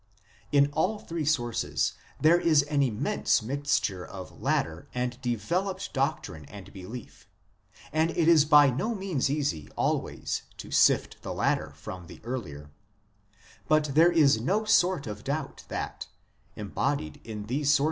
In all three sources there is an immense mixture of later and developed doctrine and belief, and it is by no means easy always to sift the later from the earlier ; but there is no sort of doubt that, embodied in these sources, 1 Primitive Culture, i.